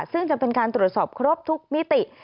ซึ่งจะเป็นการตรวจสอบครบทุกมิติ